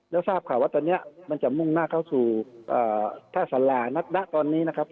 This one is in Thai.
แล้วทราบข่าวว่าตอนนี้มันจะมุ่งหน้าเข้าสู่ท่าสารานะตอนนี้นะครับ